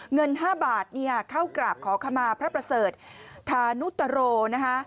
เงิน๕บาทเข้ากราบขอขมาพระประเสริฐธานุตโรนะคะ